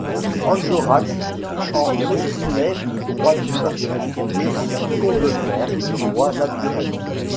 Enjolras en exprimait le droit divin, et Combeferre le droit naturel.